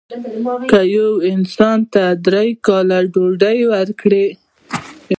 که یو انسان ته درې کاله ډوډۍ ورکړه.